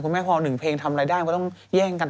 แม่พอหนึ่งเพลงทำอะไรได้มันก็ต้องแย่งกัน